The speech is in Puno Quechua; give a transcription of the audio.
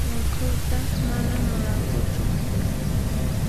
Mikhuyta mana munankuchu.